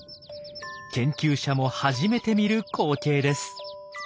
研究者も初めて見る光景です。